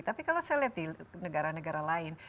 tapi kalau saya lihat di negara negara lain